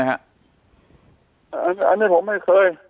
อันนี้ผมไม่เคย